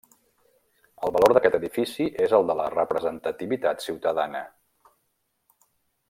El valor d'aquest edifici és el de la representativitat ciutadana.